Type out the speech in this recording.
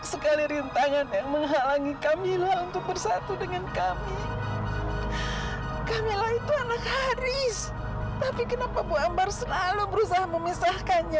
sampai jumpa di video selanjutnya